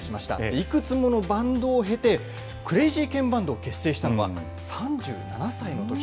いくつものバンドを経て、クレイジーケンバンドを結成したのは３７歳のとき。